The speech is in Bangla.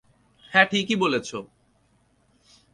হ্যাঁ, ঠিকই বলেছ।